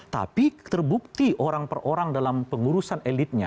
tapi terbukti orang per orang dalam pengurusan elitnya